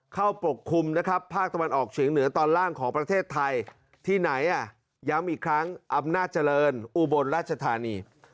ปกคลุมนะครับภาคตะวันออกเฉียงเหนือตอนล่างของประเทศไทยที่ไหนอ่ะย้ำอีกครั้งอำนาจเจริญอุบลราชธานี